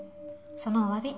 そのお詫び。